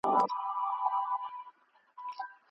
شاګرد د موضوع نوي زاویي لټوي.